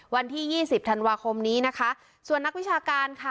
วันที่ยี่สิบธันวาคมนี้นะคะส่วนนักวิชาการค่ะ